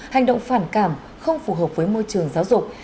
hành động phản cảm không phù hợp với môi trường giáo dục